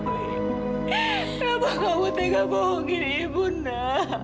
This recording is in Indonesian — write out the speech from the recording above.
kenapa kamu tega bohongin ibu nak